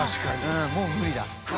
うんもう無理だ。